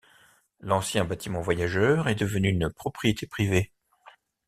L'ancien bâtiment voyageurs est devenu une propriété privée.